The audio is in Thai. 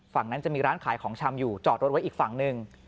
ฝั่งนั้นจะมีร้านขายของชำอยู่จอดรถไว้อีกฝั่งหนึ่ง